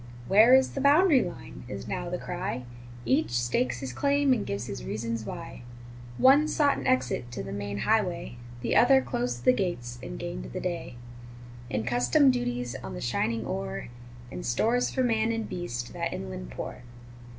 "Where is the boundary line?" is now the cry. Each stakes his claim and gives his reason why; One sought an exit to the main highway, The other closed the gates and gained the day In custom duties on the shining ore, And stores for man and beast that inland pour.